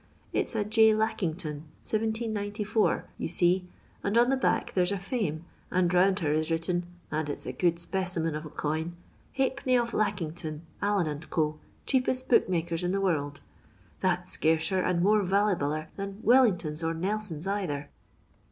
It's *J. Lackington, 1794/ you see, and on the back there 's a Fame, and round her is written — and it 's a good speciment of a coin —* Halfpemiy of Lackington, Allen & Co., cheapest booksellers in the world.' That 's scarcer and more vallyballer than Wellingtons or Nelsons either."